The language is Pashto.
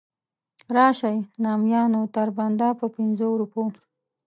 راشئ نامیانو تر بنده په پنځو روپو.